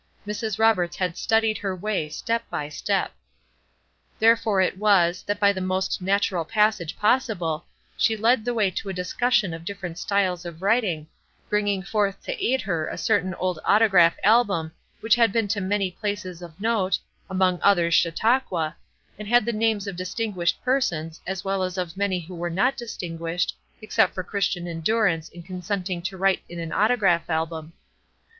Mrs. Roberts had studied her way step by step. Therefore it was, that by the most natural passage possible, she led the way to a discussion of different styles of writing, bringing forth to aid her a certain old autograph album which had been to many places of note, among others Chautauqua, and had the names of distinguished persons, as well as of many who were not distinguished, except for Christian endurance in consenting to write in an autograph album.